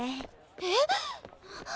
えっ！？